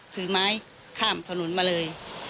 ถือไม้ข้ามถนนมาเลย